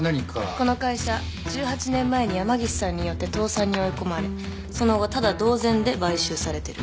この会社１８年前に山岸さんによって倒産に追い込まれその後タダ同然で買収されてる。